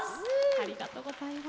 ありがとうございます。